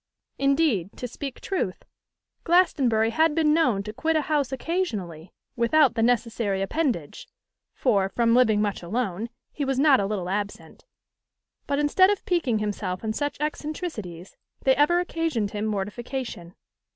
Indeed, to speak truth, Glastonbury had been known to quit a house occasionally without that necessary appendage, for, from living much alone, he was not a little absent; but instead of piquing himself on such eccentricities, they ever occasioned him mortification.